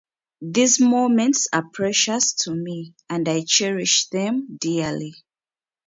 These moments are precious to me and I cherish them dearly.